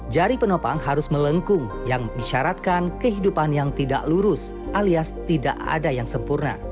jari penopang harus melengkung yang disyaratkan kehidupan yang tidak lurus alias tidak ada yang sempurna